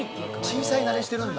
小さい慣れしてるんだ。